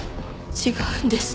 違うんです！